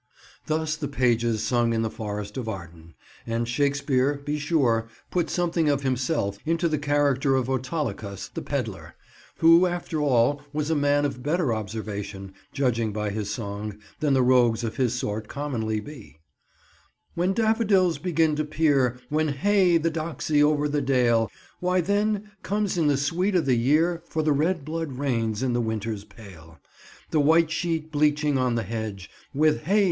Thus the pages sung in the Forest of Arden; and Shakespeare, be sure, put something of himself into the character of Autolycus the pedlar, who after all was a man of better observation, judging by his song, than rogues of his sort commonly be— "When daffodils begin to peer,— With hey! the doxy over the dale,— Why, then comes in the sweet o' the year; For the red blood reigns in the winter's pale. The white sheet bleaching on the hedge,— With hey!